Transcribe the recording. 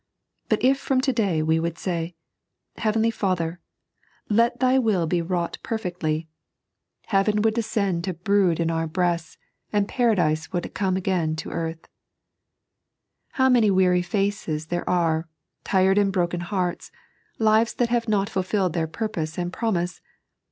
But if from to day we would say; " Heavenly Father, let Thy will be wrought perfectly," 3.n.iized by Google The Pobpose op Life. 123 heaven would descend to brood iu oar breoate, and Paradise would come again to earth. How many weary faces there are, tired and broken hearts, lives that have not fulfilled their full purpose and promise